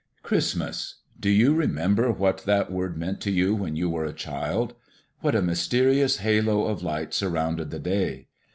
CHRISTMAS! Do you remember what that word meant to you when you were a child? What a mysterious halo of light surrounded the day!